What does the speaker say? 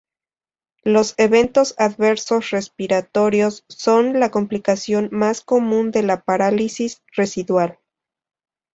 Los eventos adversos respiratorios son la complicación más común de la parálisis residual.